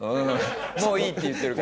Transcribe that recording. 「もういい」って言ってるから。